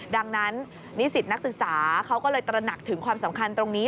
ดังนั้นนิสิตนักศึกษาเขาก็เลยตระหนักถึงความสำคัญตรงนี้